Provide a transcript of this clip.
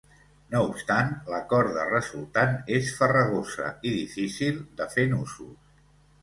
No obstant, la corda resultant és farragosa i difícil de fer nusos.